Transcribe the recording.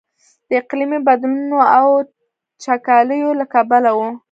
د اقلیمي بدلونونو او وچکاليو له کبله و.